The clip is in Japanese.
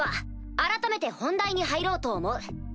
改めて本題に入ろうと思う。